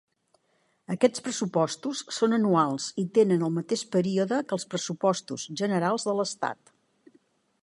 Aquests pressupostos són anuals i tenen el mateix període que els Pressupostos Generals de l'Estat.